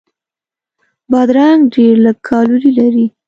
بادرنګ ډېر لږ کالوري لري.